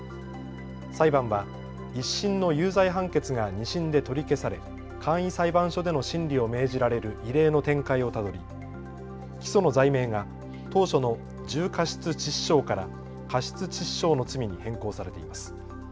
裁判は１審の有罪判決が２審で取り消され簡易裁判所での審理を命じられる異例の展開をたどり、起訴の罪名が当初の重過失致死傷から過失致死傷の罪に変更されています。